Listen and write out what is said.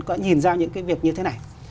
có nhìn ra những cái việc như thế này